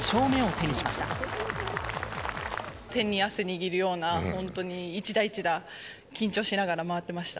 手に汗握るような、本当に、一打一打、緊張しながら回ってました。